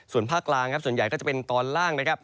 ส่วนภาคกลางครับส่วนใหญ่ก็จะเป็นตอนล่างนะครับ